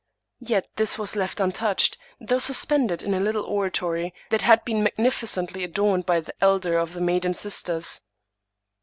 Yet this was left untouched, though suspended in a little oratory that had been magnificently adorned by the elder of the maiden sis ters.